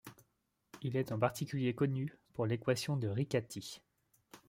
Il est en particulier connu pour l'équation de Riccati.